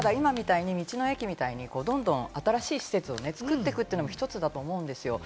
道の駅みたいに、どんどん新しい施設を作っていくというのも１つだと思うんですよ。